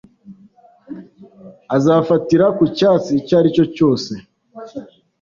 Azafatira ku cyatsi icyo ari cyo cyose